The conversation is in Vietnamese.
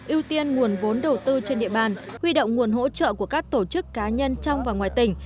ưu tiên nguồn vốn đầu tư trên địa bàn huy động nguồn hỗ trợ của các tổ chức cá nhân trong và ngoài tỉnh